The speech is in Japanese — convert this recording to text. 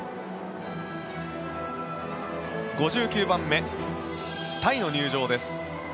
５９番目、タイの入場です。